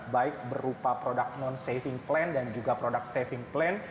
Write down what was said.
baik berupa produk non saving plan dan juga produk saving plan